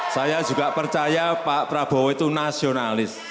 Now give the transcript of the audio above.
saya juga percaya pak prabowo itu nasionalis